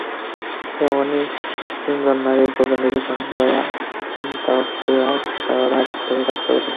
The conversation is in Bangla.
তেমনই তিনজন নারীর গল্প নিয়ে লিখেছেন রয়া মুনতাসীরসারা রাত ধরে কাজ করেছেন।